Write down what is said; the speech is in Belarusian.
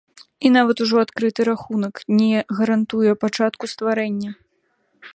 І нават ужо адкрыты рахунак не гарантуе пачатку стварэння.